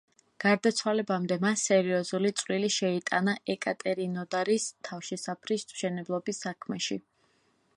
გარდაცვალებამდე მან სერიოზული წვლილი შეიტანა ეკატერინოდარის თავშესაფრის მშენებლობის საქმეში.